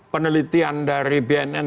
penelitian dari bnn